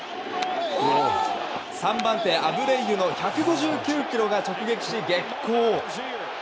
３番手アブレイユの１５９キロが直撃し、激高。